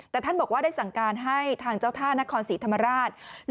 แต่ท่านบอกว่าได้สั่งการให้ทางเจ้าท่านครศรีธรรมราช